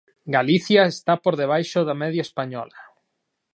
Galicia está por debaixo da media española.